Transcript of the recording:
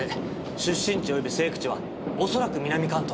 出身地及び成育地はおそらく南関東。